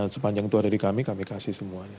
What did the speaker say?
sepanjang itu ada di kami kami kasih semuanya